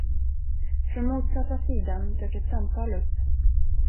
Från motsatta sidan dök ett samtal upp.